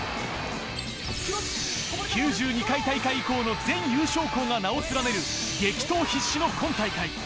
９２回大会以降の全優勝校が名を連ねる激闘必至の今大会。